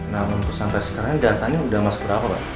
nah sampai sekarang datanya sudah masuk berapa pak